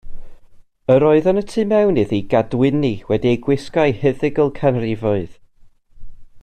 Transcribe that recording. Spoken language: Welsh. Yr oedd yn y tu mewn iddi gadwyni wedi eu gwisgo â huddygl canrifoedd.